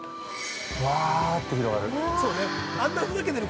うわって広がる。